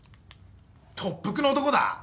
特服の男だぁ？